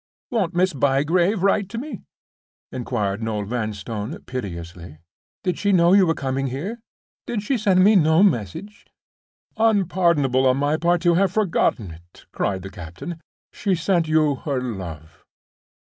"Won't Miss Bygrave write to me?" inquired Noel Vanstone, piteously. "Did she know you were coming here? Did she send me no message?" "Unpardonable on my part to have forgotten it!" cried the captain. "She sent you her love."